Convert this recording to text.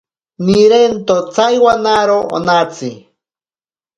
Nirento tsaiwaro onatsi.